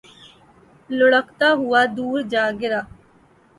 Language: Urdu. لڑھکتا ہوا دور جا گرا